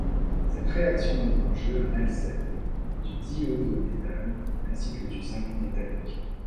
Cette réaction met en jeu un alcène, du diiodométhane, ainsi que du zinc métallique.